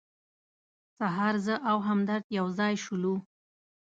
سهار زه او همدرد یو ځای شولو.